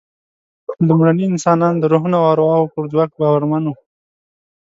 لومړني انسانان د روحونو او ارواوو پر ځواک باورمن وو.